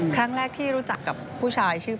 ครั้งแรกที่รู้จักกับผู้ชายชื่อ